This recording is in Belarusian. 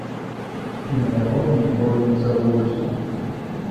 І на яго я ніколі не забудуся.